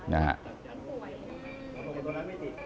นะฮะ